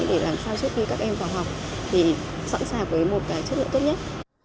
để làm sao trước khi các em vào học thì sẵn sàng với một cái chất lượng tốt nhất